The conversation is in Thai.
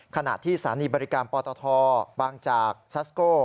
ขนาดที่ศาลีบริการปอตทบ้างจากซัสโก